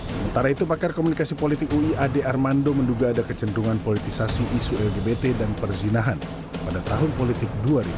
sementara itu pakar komunikasi politik ui ade armando menduga ada kecenderungan politisasi isu lgbt dan perzinahan pada tahun politik dua ribu sembilan belas